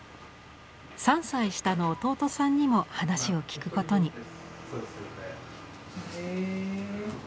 ３歳下の弟さんにも話を聞くことに。